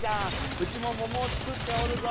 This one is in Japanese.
うちも桃を作っておるぞ。